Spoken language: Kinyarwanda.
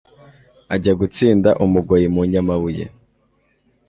Ajya gutsinda Umugoyi mu Nyamabuye.